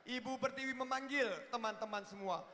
ibu pertiwi memanggil teman teman semua